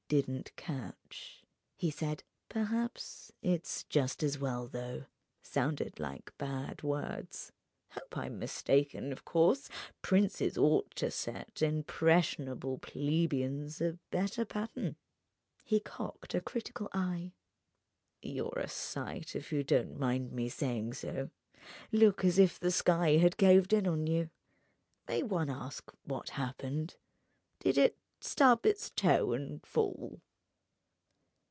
"Didn't catch," he said; "perhaps it's just as well, though; sounded like bad words. Hope I'm mistaken, of course: princes ought to set impressionable plebeians a better pattern." He cocked a critical eye. "You're a sight, if you don't mind my saying so—look as if the sky had caved in on you. May one ask what happened? Did it stub its toe and fall?"